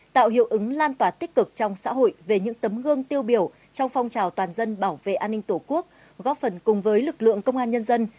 tạo hiệu ứng lan tỏa tích cực trong xã hội về những tấm gương tiêu biểu trong phong trào toàn dân bảo vệ an ninh tổ quốc góp phần cùng với lực lượng công an nhân dân